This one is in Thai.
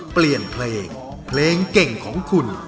เปลี่ยนเพลงเพลงเก่งของคุณ